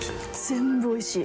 全部おいしい。